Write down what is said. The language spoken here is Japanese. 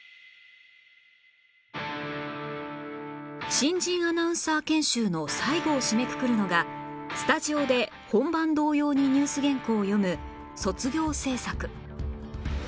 新人アナウンサー研修の最後を締めくくるのがスタジオで本番同様にニュース原稿を読む卒業制作